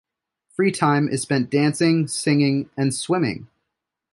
Free time is spent dancing, singing and swimming.